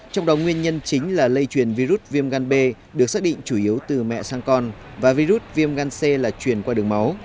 trong đó nguyên nhân chính là lây truyền virus viêm gan b được xác định chủ yếu từ mẹ sang con và virus viêm gan c là truyền qua đường máu